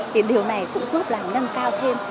thì điều này cũng giúp làm nâng cao thêm